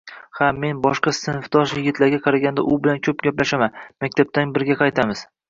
Ha, men boshqa sinfdosh yigitlarga qaraganda u bilan ko`p gaplashaman, maktabdan birga qaytamiz